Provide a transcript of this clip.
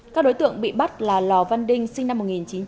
các đối tượng bị bắt là lò văn đinh sinh năm một nghìn chín trăm chín mươi bảy